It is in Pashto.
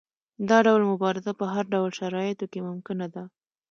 دا ډول مبارزه په هر ډول شرایطو کې ممکنه ده.